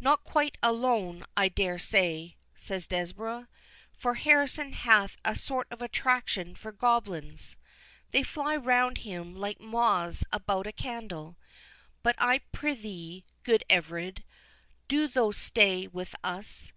"Not quite alone, I dare say," said Desborough; "for Harrison hath a sort of attraction for goblins—they fly round him like moths about a candle:—But, I prithee, good Everard, do thou stay with us.